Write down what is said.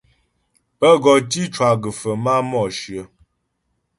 Pə́ gɔ tǐ cwa gə́fə máa Mǒshyə.